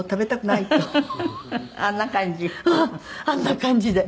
あんな感じ？